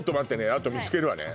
あと見つけるわね